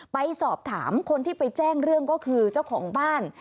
ไปสอบถามคนที่ไปแจ้งเรื่องก็คือเจ้าของบ้าน